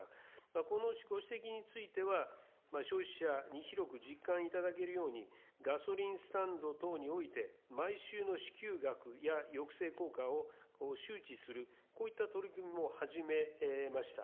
このご指摘については、消費者に広く実感いただけるように、ガソリンスタンド等において、毎週の支給額や抑制効果を周知する、こういった取り組みも始めました。